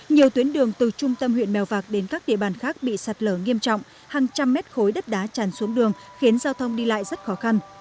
nhiều tuyến đường từ trung tâm huyện mèo vạc đến các địa bàn khác bị sạt lở nghiêm trọng hàng trăm mét khối đất đá tràn xuống đường khiến giao thông đi lại rất khó khăn